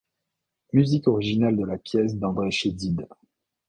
Musique originale de la pièce d'Andrée Chédid.